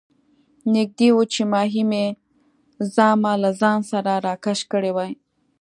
نږدې وو چې ماهي مې زامه له ځان سره راکش کړې وای.